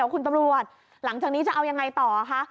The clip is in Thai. คุณตำรวจหลังจากนี้จะเอายังไงต่อคะ